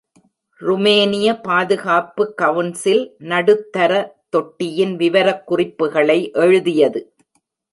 ருமேனிய பாதுகாப்பு கவுன்சில் நடுத்தர தொட்டியின் விவரக்குறிப்புகளை எழுதியது.